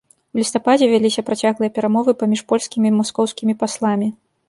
У лістападзе вяліся працяглыя перамовы паміж польскімі і маскоўскімі пасламі.